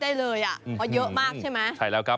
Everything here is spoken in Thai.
ได้เลยอ่ะเพราะเยอะมากใช่ไหมใช่แล้วครับ